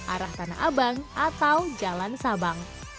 arah tanah abang atau jalan sabang